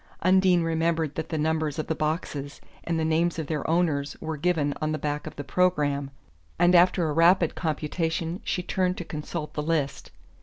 Undine remembered that the numbers of the boxes and the names of their owners were given on the back of the programme, and after a rapid computation she turned to consult the list.